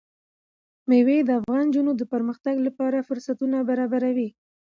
مېوې د افغان نجونو د پرمختګ لپاره فرصتونه برابروي.